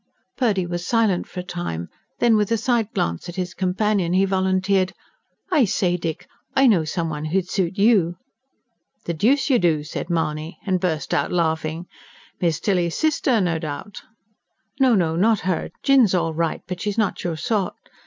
Purdy was silent for a time. Then, with a side glance at his companion, he volunteered: "I say, Dick, I know some one who'd suit you." "The deuce you do!" said Mahony, and burst out laughing. "Miss Tilly's sister, no doubt?" "No, no not her. Jinn's all right, but she's not your sort.